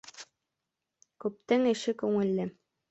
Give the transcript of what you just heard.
Күптең эше күңелле.